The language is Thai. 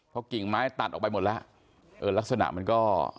เพราะกิ่งไม้ตัดออกไปหมดแล้วเออลักษณะมันก็